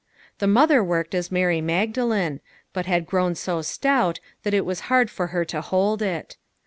The mother worked as Mary Magdalene, but had grown so stout that it was hard for her to hold it.